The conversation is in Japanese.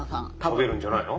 しゃべるんじゃないの？